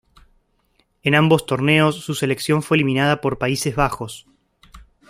En ambos torneos su selección fue eliminada por Países Bajos.